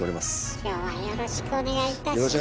今日はよろしくお願いいたします。